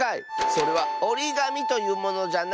それはおりがみというものじゃな。